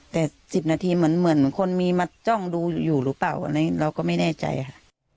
แต่สิบนาทีเหมือนเหมือนคนมีมาจ้องดูอยู่หรือเปล่าอะไรเราก็ไม่แน่ใจค่ะ